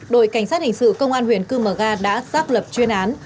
đội cảnh sát hình sự công an huyện trư mở ga đã sắp lập chuyên án